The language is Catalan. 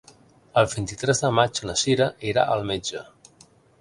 El vint-i-tres de maig na Cira irà al metge.